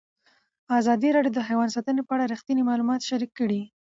ازادي راډیو د حیوان ساتنه په اړه رښتیني معلومات شریک کړي.